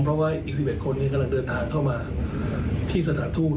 เพราะว่าอีก๑๑คนนี้กำลังเดินทางเข้ามาที่สถานทูต